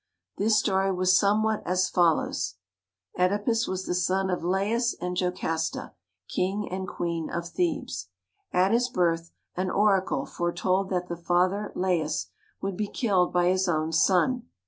This story was somewhat as follows: Oedipus was the son of Laius and Jocasta, king and queen of Thebes. At his birth an oracle foretold that the father Laius would META WARRICK FULLER 65 be killed by his son.